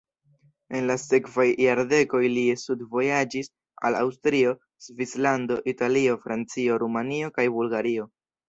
En la sekvaj jardekoj li studvojaĝis al Aŭstrio, Svislando, Italio, Francio, Rumanio kaj Bulgario.